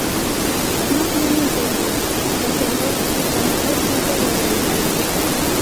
No tienen templos, sacerdotes o cualquier tipo de organización.